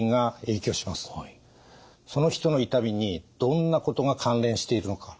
その人の痛みにどんなことが関連しているのか。